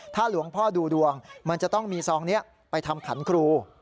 หลวงพ่อดูดวงมันจะต้องมีซองนี้ไปทำขันครู